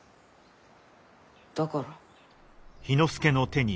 だから。